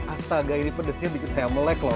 astaga ini pedesnya sedikit saya melek loh